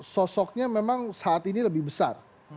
sosoknya memang saat ini lebih besar